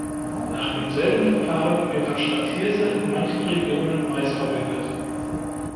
Nach demselben Verfahren wird anstatt Hirse in manchen Regionen Mais verwendet.